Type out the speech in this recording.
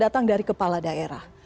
datang dari kepala daerah